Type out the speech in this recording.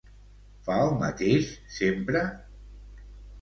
Fa el mateix sempre?